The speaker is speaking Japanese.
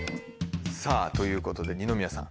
さぁということで二宮さん